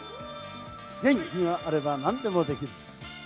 元気があればなんでもできる。